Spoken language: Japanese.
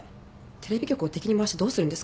テレビ局を敵に回してどうするんですか。